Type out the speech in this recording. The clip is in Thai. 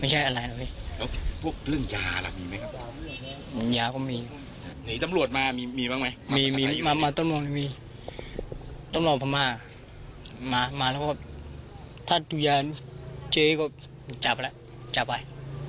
หนีตำรวจมามีบ้างไหมมีมีมาต้นมองตำรวจพามามาแล้วถ้าดูยานเจ๊ก็จับแล้วจับไว้